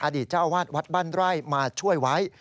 อดีตเจ้าว่าดวัดบรรไรค์มาช่วยไว้